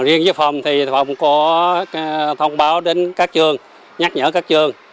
riêng với phòng thì phòng có thông báo đến các trường nhắc nhở các trường